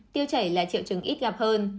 tiêu chảy là triệu chứng ít gặp hơn